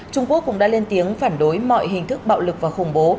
trung quốc cũng đã lên tiếng phản đối mọi hình thức bạo lực và khủng bố